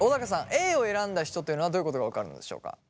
Ａを選んだ人というのはどういうことが分かるんでしょうか？